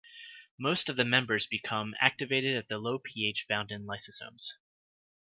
Most of the members become activated at the low pH found in lysosomes.